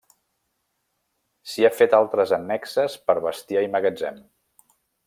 S'hi ha fet altres annexes per bestiar i magatzem.